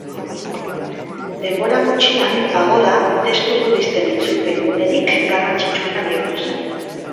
Denbora gutxian, pagoda, testu budisten itzulpen gunerik garrantzitsuena bihurtu zen.